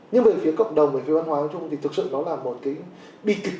nhưng về phía cộng đồng về phía văn hóa nói chung thì thực sự nó là một cái bi kịch